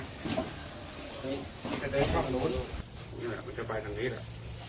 เนี้ยมันจะเดินตรงนู้นมันจะไปตรงนี้แหละ